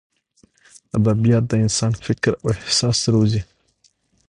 ادبیات د انسان فکر او احساس روزي.